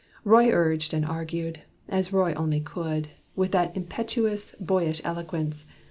Roy urged and argued, as Roy only could, With that impetuous, boyish eloquence.